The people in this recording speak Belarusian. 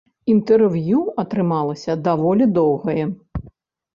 Інтэрв'ю атрымалася даволі доўгае.